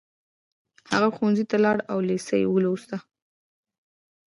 هغه ښوونځي ته لاړ او لېسه يې ولوسته